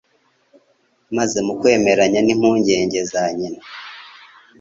maze mu kwemeranya n'impungenge za nyina,